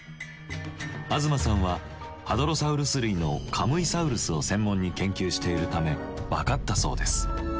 東さんはハドロサウルス類のカムイサウルスを専門に研究しているため分かったそうです。